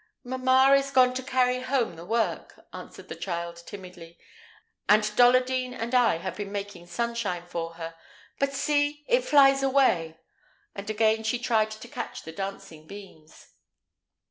"Mamma has gone to carry home the work," answered the child, timidly; "and Dolladine and I have been making sunshine for her. But, see! it flies away!" and again she tried to catch the dancing beams.